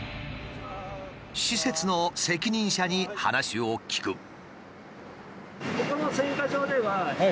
施設の責任者に話を聞く。